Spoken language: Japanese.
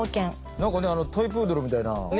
何かねトイプードルみたいな。ね？